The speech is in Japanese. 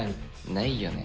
ないよね。